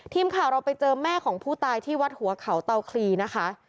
ทีมข่าวเราไปเจอแม่ของผู้ตายที่วัดหัวเขาเตาคลีนะคะ